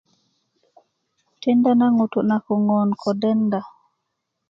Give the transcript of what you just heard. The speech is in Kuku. tinda na ŋutu na koŋon ko denda